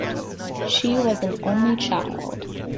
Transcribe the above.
She was an only child.